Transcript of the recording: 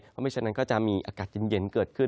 เพราะฉะนั้นก็จะมีอากาศเย็นเกิดขึ้น